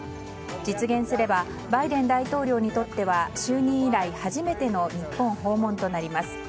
実現すればバイデン大統領にとっては就任以来、初めての日本訪問となります。